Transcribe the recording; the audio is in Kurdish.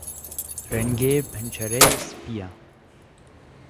Rengê pencereyê spî ye.